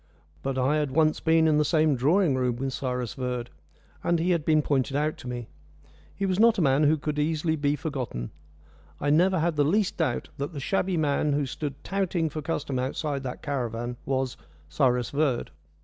But I had once been in the same drawing room with Cyrus Verd, and he had been pointed out to me. He was not a man who could easily be forgotten. I never had the least doubt that the shabby man who stood touting for custom outside that caravan was Cyrus Verd.